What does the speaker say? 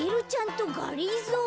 とがりぞー。